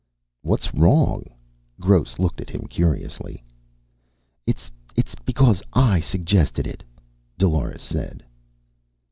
"What's wrong?" Gross looked at him curiously. "It's because I suggested it," Dolores said.